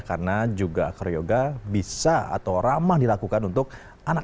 karena juga akroyoga bisa atau ramah dilakukan untuk anak anak